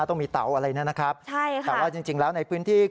ต้องมีเตาอะไรแน่นะครับแต่ว่าจริงแล้วในพื้นที่ใช่ค่ะ